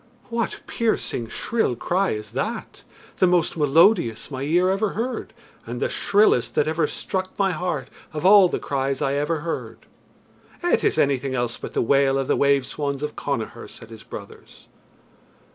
"What piercing, shrill cry is that the most melodious my ear ever heard, and the shrillest that ever struck my heart of all the cries I ever heard?" "It is anything else but the wail of the wave swans of Connachar," said his brothers.